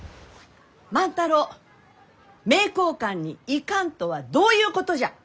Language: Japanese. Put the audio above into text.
万太郎名教館に行かんとはどういうことじゃ！？